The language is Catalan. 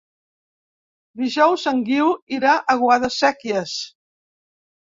Dijous en Guiu irà a Guadasséquies.